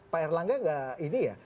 pak erlangga ini ya